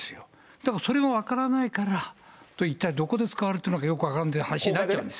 だからそれが分からないから、一体どこで使われてるかよく分からないって話になっちゃうんです